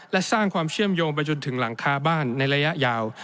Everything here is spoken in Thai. และสร้างความเชื่อมโยงไปจนถึงหลังคาบ้านในระยะยาว